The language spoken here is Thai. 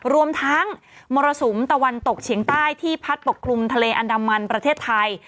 รวมทั้งมรสุมตะวันตกเฉียงใต้ที่พัดปกคลุมทะเลอันดามันประเทศไทย